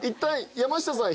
［山下さんは］